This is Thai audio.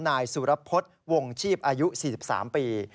นายสุรพฤษวงชีพอายุ๔๓ปี